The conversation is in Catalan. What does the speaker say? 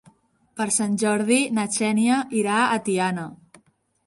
Per Sant Jordi na Xènia irà a Tiana.